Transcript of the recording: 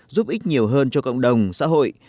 giúp ích nhiều hơn cho cộng đồng xã hội